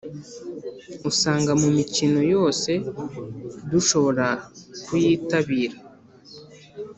usanga mu mikino yose dushobora kuyitabira.